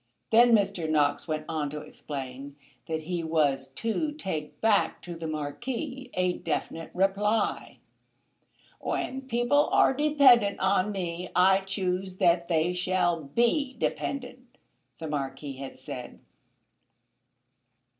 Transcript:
Then Mr. Knox went on to explain that he was to take back to the Marquis a definite reply. "When people are dependent on me I choose that they shall be dependent," the Marquis had said.